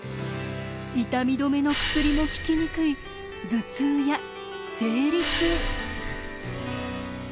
痛み止めの薬も効きにくい頭痛や生理痛。